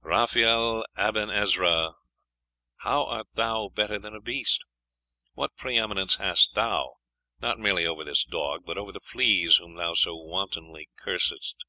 Raphael Aben Ezra, how art thou better than a beast? W hat pre eminence hast thou, not merely over this dog, But over the fleas whom thou so wantonly cursest?